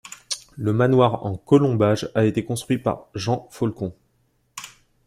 Le manoir en colombages a été construit par Jean Faulcon.